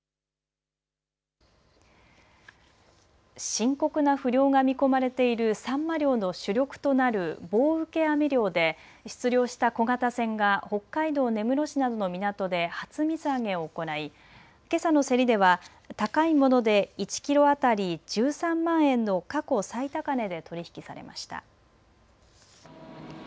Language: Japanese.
深刻な不漁が見込まれているサンマ漁の主力となる棒受け網漁で出漁した小型船が北海道根室市などの港で初水揚げを行い、けさの競りでは高いもので１キロ当たり１３万円の過去最高値で取り引きされました。